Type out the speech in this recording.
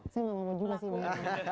saya nggak mau mau juga sih